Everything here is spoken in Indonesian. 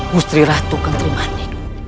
mustri ratu kenterimani